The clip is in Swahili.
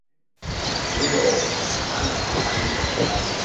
Leo hana pahali pa kulala